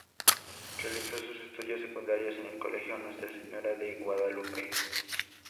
Realizó sus estudios secundarios en el Colegio Nuestra Señora de Guadalupe.